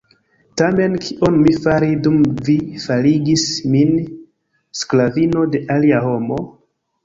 Tamen kion mi fari dum vi farigis min sklavino de alia homo?